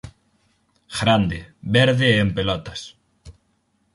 Grande, verde e en pelotas.